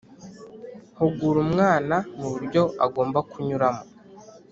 hugura umwana muburyo agomba kunyuramo,